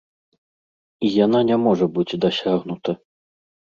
І яна не можа быць дасягнута.